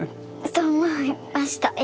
そう思いました今日。